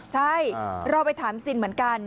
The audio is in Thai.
ใช่เราไปถามซินเหมือนกัน